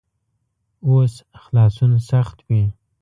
اوس خلاصون سخت وي.